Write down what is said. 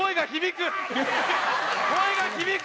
声が響く。